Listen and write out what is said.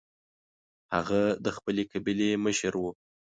هغه د خپلې قبیلې مشر و.